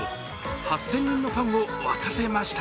８０００人のファンを沸かせました。